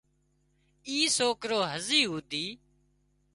اِ سوڪرو هزي هوڌي